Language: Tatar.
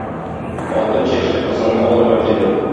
Алтын чәчле кызыңны алырга килдем.